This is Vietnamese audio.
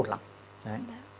đó là về mặt nhà